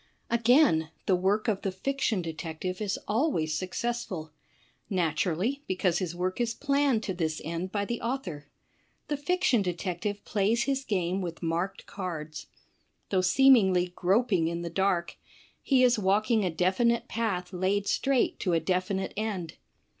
Again, the work of the fiction detective is always success ful. Naturally, because his work is planned to this end by the author. The fiction detective plays his game with marked cards. Though seemingly groping in the dark, he is walking a definite path laid straight to a definite end.